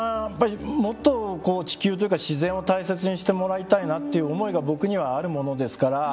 もっと地球というか自然を大切にしてもらいたいなという思いが僕にはあるものですから。